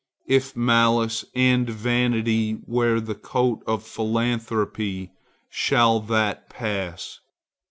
If malice and vanity wear the coat of philanthropy, shall that pass?